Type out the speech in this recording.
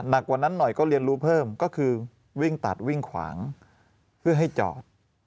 กว่านั้นหน่อยก็เรียนรู้เพิ่มก็คือวิ่งตัดวิ่งขวางเพื่อให้จอด